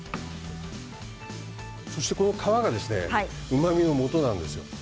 そして、この皮がうまみのもとなんですよ。